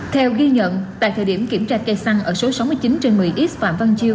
theo ghi nhận tại thời điểm kiểm tra cây xăng ở số sáu mươi chín trên một mươi x phạm văn chiêu